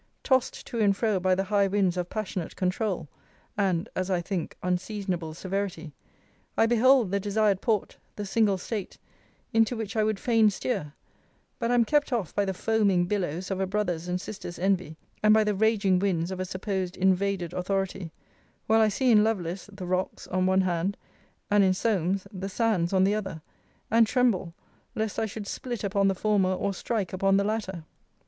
Tost to and fro by the high winds of passionate controul, (and, as I think, unseasonable severity,) I behold the desired port, the single state, into which I would fain steer; but am kept off by the foaming billows of a brother's and sister's envy, and by the raging winds of a supposed invaded authority; while I see in Lovelace, the rocks on one hand, and in Solmes, the sands on the other; and tremble, lest I should split upon the former, or strike upon the latter.